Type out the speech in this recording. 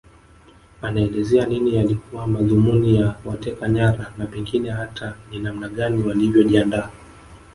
Anaelezea nini yalikuwa madhumuni ya wateka nyara na pengine hata ni namna gani walivyojiandaa